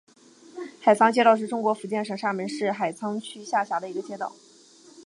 海沧街道是中国福建省厦门市海沧区下辖的一个街道。